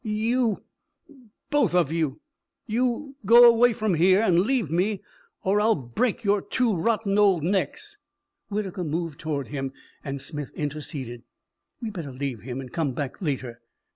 "You both of you you go away from here and leave me or I'll break your two rotten old necks." Whitaker moved toward him, and Smith interceded. "We better leave him and come back later."